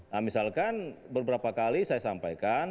nah misalkan beberapa kali saya sampaikan